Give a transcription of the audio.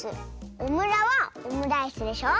「オムラ」は「オムライス」でしょ。